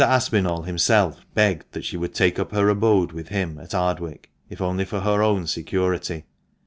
Aspinall himself begged that she would take up her abode with him, at Ardwick, if only for her own security.